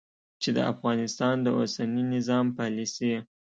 چې د افغانستان د اوسني نظام پالیسي